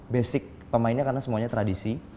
basic pemainnya karena semuanya tradisi